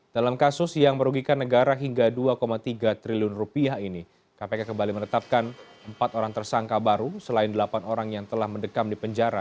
dalam kasus yang merugikan negara hingga dua tiga triliun rupiah ini kpk kembali menetapkan empat orang tersangka baru selain delapan orang yang telah mendekam di penjara